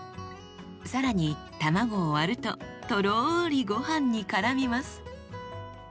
更に卵を割るととろりごはんにからみます。